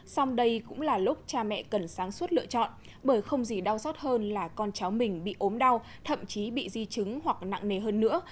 xong đây cũng là lúc cha mẹ cần sáng suốt lựa chọn bởi không gì đau xót hơn là con cháu mình bị ốm đau thậm chí bị di chứng hoặc nặng nề hơn nữa